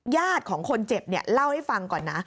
ญาติของคนเจ็บเนี่ยเล่าให้ฟังก่อนนะ